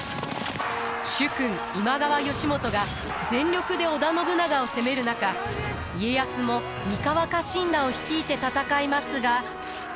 主君今川義元が全力で織田信長を攻める中家康も三河家臣団を率いて戦いますが。